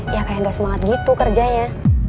ya kayak gak semangat gitu kerjanya